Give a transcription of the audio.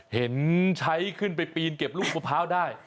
เห็นใช้ขึ้นไปปีนเก็บลูกมะพร้าวได้